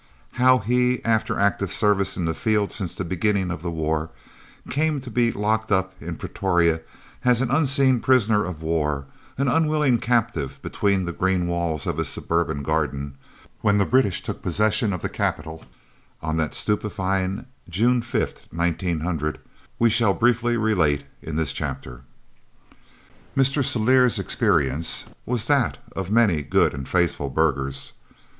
How he, after active service in the field since the beginning of the war, came to be locked up in Pretoria as an unseen prisoner of war, an unwilling captive between the green walls of his suburban garden, when the British took possession of the capital on that stupefying June 5th, 1900, we shall briefly relate in this chapter. Mr. Celliers' experience was that of many good and faithful burghers.